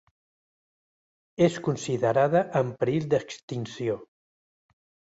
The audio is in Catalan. És considerada en perill d'extinció.